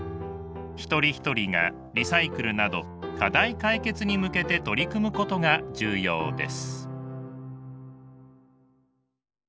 一人一人がリサイクルなど課題解決に向けて取り組むことが重要です。